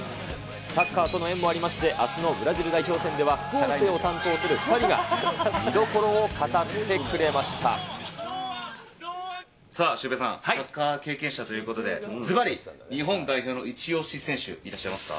サッカーとの縁もありまして、あすのブラジル代表戦では副音声を担当する２人が、見どころを語さあ、シュウペイさん、サッカー経験者ということで、ずばり、日本代表のイチオシ選手、いらっしゃいますか。